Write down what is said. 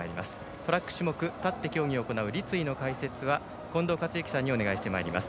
トラック種目立って競技を行う立位の解説は近藤克之さんにお願いしてまいります。